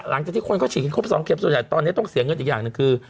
หลังจากที่คนเขาฉีดกันครบ๒เข็มส่วนใหญ่ตอนนี้ต้องเสียเงินอีกอย่างหนึ่งคือ